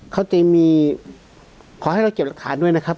ขอให้เราเก็บรักฐานด้วยนะครับ